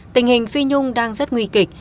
tình hình phi nhung đang rất nguy kịch